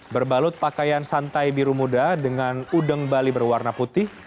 berbalut pakaian santai biru muda dengan udeng bali berwarna putih